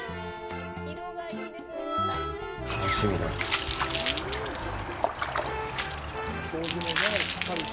楽しみだな。